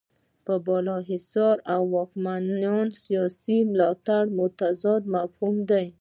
پراخ انحصار او د واکمنانو سیاسي ملاتړ متضاد مفاهیم دي.